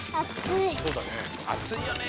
あついよね